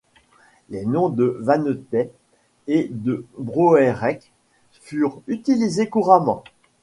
Les noms de Vannetais et de Broërec furent utilisés concurremment.